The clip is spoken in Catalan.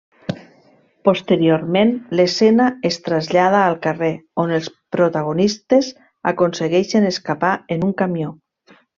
Posteriorment l'escena es trasllada al carrer on els protagonistes aconsegueixen escapar en un camió.